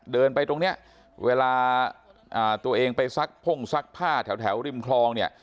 เดินไปตรงนี้เวลาตัวเองไปซักพ่งซักผ้าแถวริมคลองเนี่ย